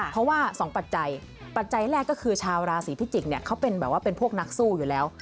เพราะว่า๒ปัจจัยปัจจัยแรกก็คือชาวราศีพิจิกเนี่ยเขาเป็นแบบว่าเป็นพวกนักสู้อยู่แล้ว